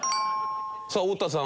さあ太田さん